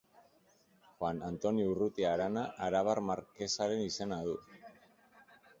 Juan Antonio Urrutia Arana arabar markesaren izena du.